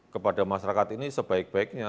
kepada masyarakat ini sebaik baiknya